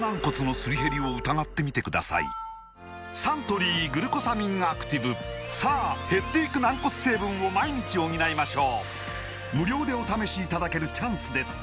サントリー「グルコサミンアクティブ」さあ減っていく軟骨成分を毎日補いましょう無料でお試しいただけるチャンスです